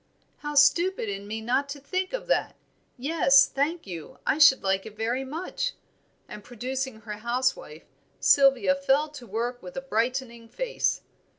"How stupid in me not to think of that! Yes, thank you, I should like it very much;" and producing her housewife, Sylvia fell to work with a brightening face.